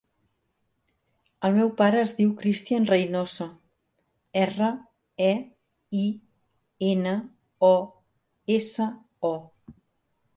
El meu pare es diu Christian Reinoso: erra, e, i, ena, o, essa, o.